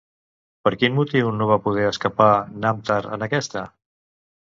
Per quin motiu no va poder escapar Namtar en aquesta?